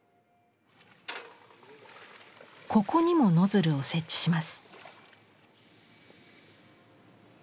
ここにもノズルを設置します。